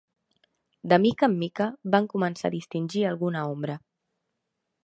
De mica en mica van començar a distingir alguna ombra.